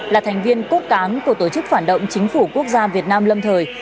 là thành viên cốt cán của tổ chức phản động chính phủ quốc gia việt nam lâm thời